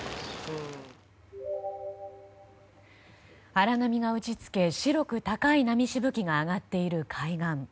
荒波が打ち付け白く高い波が上がっている海岸。